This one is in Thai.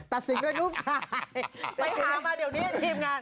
ตัดสินด้วยลูกชายไปหามาเดี๋ยวนี้ทีมงาน